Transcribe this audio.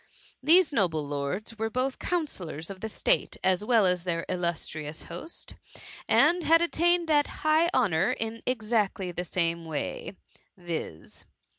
These noble lords were both counsellors of state as well as their illus trious host, and had attained that high honour in exactly the same way, viz.